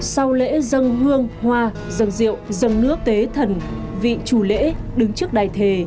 sau lễ dân hương hoa dân diệu dân nước tế thần vị chủ lễ đứng trước đài thề